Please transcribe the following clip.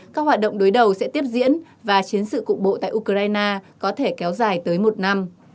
các hoạt động đối đầu sẽ tiếp diễn và chiến sự cục bộ tại ukraine có thể kéo dài tới một năm